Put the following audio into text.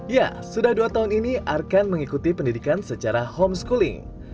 ya sudah dua tahun ini arkan mengikuti pendidikan secara homeschooling